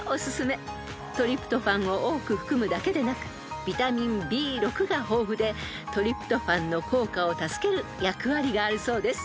［トリプトファンを多く含むだけでなくビタミンＢ６が豊富でトリプトファンの効果を助ける役割があるそうです］